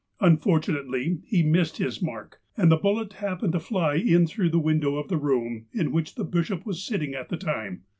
Unfortunately, be missed his mark, and the bullet happened to fly in through the .window of the room in which the bishop was sitting at the time.